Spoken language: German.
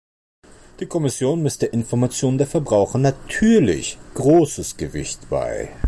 Die Kommission misst der Information der Verbraucher natürlich großes Gewicht bei.